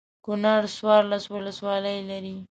کنړ څوارلس ولسوالۍ لري.